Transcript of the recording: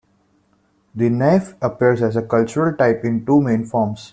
The naif appears as a cultural type in two main forms.